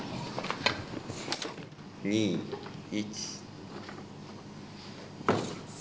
２１。